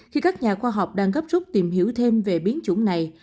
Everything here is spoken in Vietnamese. khi các nhà khoa học đang gấp rút tìm hiểu thêm về biến chủng này